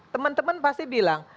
teman teman pasti bilang